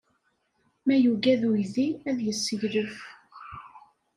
Ma yugad uydi, ad yesseglef.